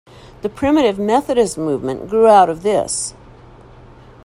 The Primitive Methodist movement grew out of this..